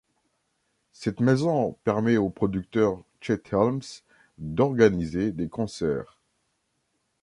Cette maison permet au producteur Chet Helms d'organiser des concerts.